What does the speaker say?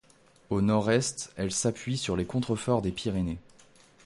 Au nord-est elles s'appuient sur les contreforts des Pyrénées.